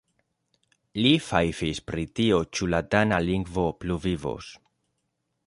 Li fajfis pri tio ĉu la dana lingvo pluvivos.